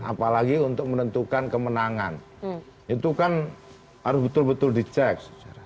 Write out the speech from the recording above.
apalagi untuk menentukan kemenangan itu kan harus betul betul dicek